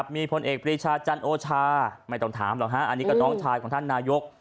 มีพลเอกปรีชาจันโอชาไม่ต้องถามหรอกฮะอันนี้ก็น้องชายของท่านนายก